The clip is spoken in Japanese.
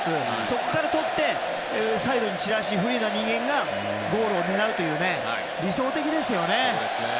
そこからとって、サイドに散らしフリーな人間がゴールを狙うという理想的ですよね。